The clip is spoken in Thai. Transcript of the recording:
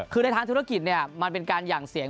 คือในทางธุรกิจเนี่ยมันเป็นการหยั่งเสียง